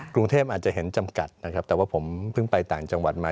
กรุงเทพอาจจะเห็นจำกัดนะครับแต่ว่าผมเพิ่งไปต่างจังหวัดมา